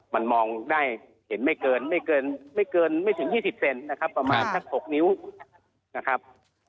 มันมองได้เห็นไม่เกินไม่เกินไม่ถึง๒๐เซนนะครับประมาณสัก๖นิ้วนะครับ